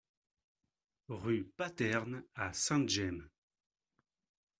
Rue Paterne à Sainte-Gemme